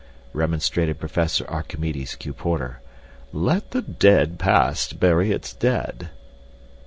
remonstrated Professor Archimedes Q. Porter. "'Let the dead past bury its dead.